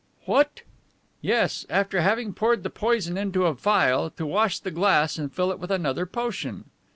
"What!" "Yes, after having poured the poison into a phial, to wash the glass and fill it with another potion."